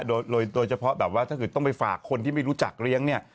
โดยเฉพาะแบบว่าถ้าเกิดต้องไปฝากคนที่ไม่รู้จักเลี้ยงเนี่ย